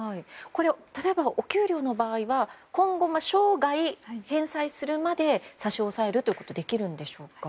例えば、お給料の場合は今後も生涯返済するまで差し押さえるということはできるのでしょうか。